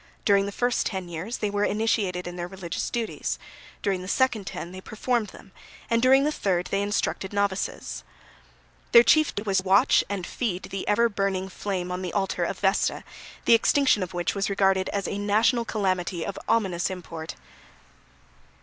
During the first ten years, they were initiated in their religious duties, during the second ten they performed them, and during the third they instructed novices. Their chief duty was to watch and feed the ever burning flame on the altar of Vesta, the extinction of which was regarded as a national calamity of ominous import.